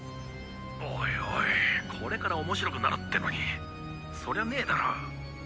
おいおいこれから面白くなるってのにそりゃねえだろ。